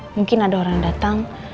mungkin ada orang datang